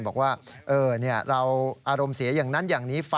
บอกว่าเราอารมณ์เสียอย่างนั้นอย่างนี้